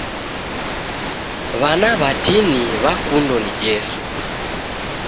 W'ana w'atini w'akundo ni Jesu